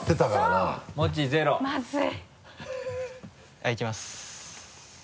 はいいきます。